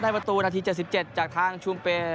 ประตูนาที๗๗จากทางชุมเปย์